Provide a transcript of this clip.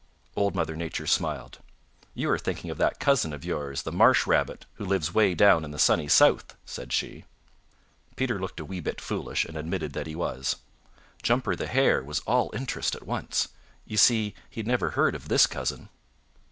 Old Mother Nature smiled. "You are thinking of that cousin of yours, the Marsh Rabbit who lives way down in the Sunny South," said she. Peter looked a wee bit foolish and admitted that he was. Jumper the Hare was all interest at once. You see, he had never heard of this cousin.